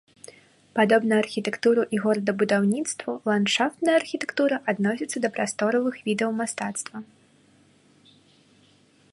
Падобна архітэктуры і горадабудаўніцтву ландшафтная архітэктура адносіцца да прасторавых відаў мастацтва.